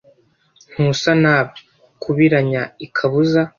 Ntusa naba kubiranya ikabuza